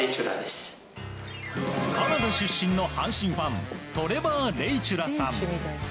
カナダ出身の阪神ファントレバー・レイチュラさん。